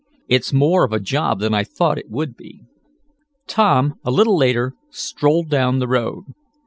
It's more of a job than I thought it would be." Tom, a little later, strolled down the road.